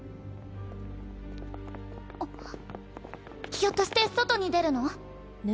ひょっとして外に出るの？